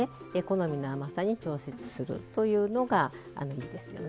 好みの甘さに調節するというのがいいですよね。